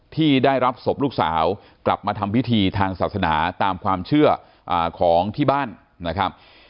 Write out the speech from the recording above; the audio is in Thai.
ที่ได้รับศพลูกสาวกลับมาทำพิธีทางศาสนาตามความเชื่อของที่บ้านนะครับ